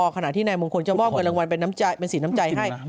ขณะที่นายมงคลจะมอบเงินรางวัลเป็นสีน้ำใจให้